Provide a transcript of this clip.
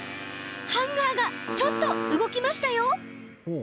ハンガーがちょっと動きました。